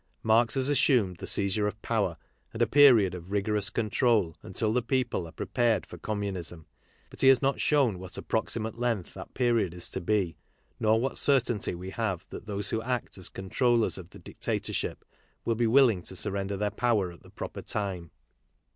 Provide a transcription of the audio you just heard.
Marx has assumed the seizure of power, and a period of rigorous control until the people are prepared for com munism. But he has not shown what approximate length that period is to be, nor what certainty we have that those who act as controllers of the dictatorship will be willing to surrender their power at the proper time.